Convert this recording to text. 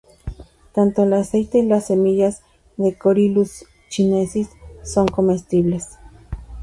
Tanto el aceite y las semillas de "Corylus chinensis" son comestibles.